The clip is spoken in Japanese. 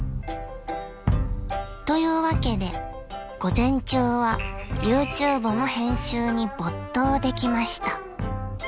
［というわけで午前中はＹｏｕＴｕｂｅの編集に没頭できました］